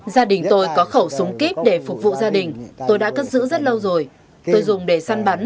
gia đình tôi có khẩu súng kíp để phục vụ gia đình tôi đã cất giữ rất lâu rồi tôi dùng để săn bắn